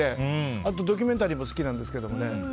あとはドキュメンタリーも好きなんですけどね。